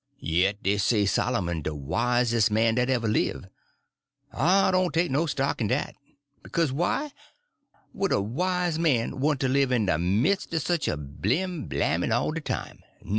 Yit dey say Sollermun de wises' man dat ever live'. I doan' take no stock in dat. Bekase why: would a wise man want to live in de mids' er sich a blim blammin' all de time?